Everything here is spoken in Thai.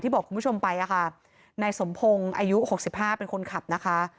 ที่บอกคุณผู้ชมไปอ่ะค่ะในสมพงศ์อายุหกสิบห้าเป็นคนขับนะคะ